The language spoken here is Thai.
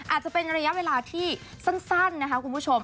อาจจะเป็นระยะเวลาที่สั้นนะคะคุณผู้ชม